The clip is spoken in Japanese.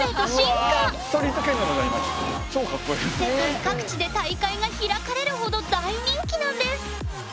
世界各地で大会が開かれるほど大人気なんです！